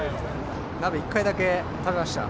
鍋１回だけ食べました。